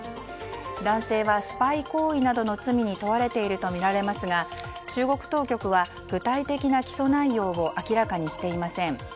男性は、スパイ行為などの罪に問われているとみられますが中国当局は具体的な起訴内容を明らかにしていません。